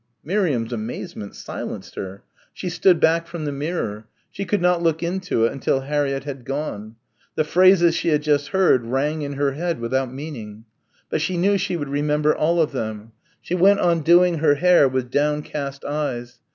Miriam's amazement silenced her. She stood back from the mirror. She could not look into it until Harriett had gone. The phrases she had just heard rang in her head without meaning. But she knew she would remember all of them. She went on doing her hair with downcast eyes.